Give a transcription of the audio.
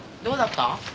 どうだった？